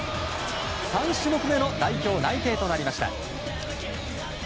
３種目めの代表内定となりました。